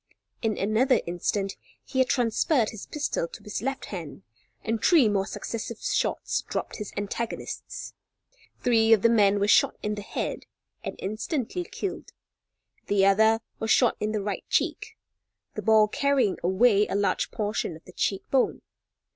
In another instant he had transferred his pistol to his left hand, and three more successive shots dropped his antagonists. Three of the men were shot in the head and instantly killed. The other was shot in the right cheek, the ball carrying away a large portion of the cheek bone.